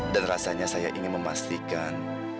dan rasanya saya ingin memastikan